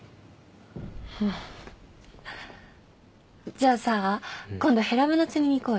じゃあさ今度ヘラブナ釣りに行こうよ。